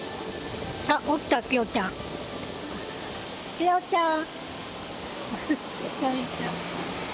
きよちゃん！